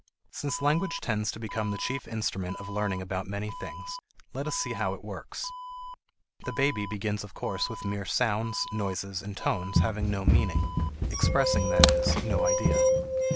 Since language tends to become the chief instrument of learning about many things, let us see how it works. The baby begins of course with mere sounds, noises, and tones having no meaning, expressing, that is, no idea.